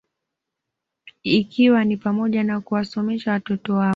Ikiwa ni pamoja na kuwasomesha watoto wao